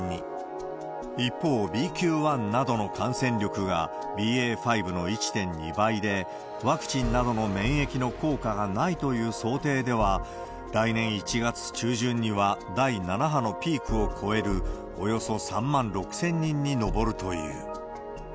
一方、ＢＱ．１などの感染力が、ＢＡ．５の１．２倍で、ワクチンなどの免疫の効果がないという想定では、来年１月中旬には、第７波のピークを超えるおよそ３万６０００人に上るという。